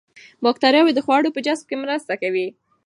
باکتریاوې د خوړو په جذب کې مرسته کوي.